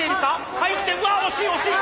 入ってうわ惜しい惜しい！